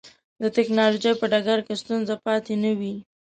د ټکنالوجۍ په ډګر کې ستونزه پاتې نه وي.